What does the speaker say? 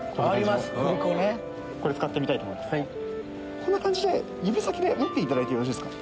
こんな感じで指先で持っていただいてよろしいですか。